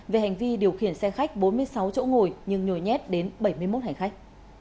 về hành vi điều khiển xe khách bốn mươi sáu chỗ ngồi nhưng nhồi nhét đến bảy mươi một hành khách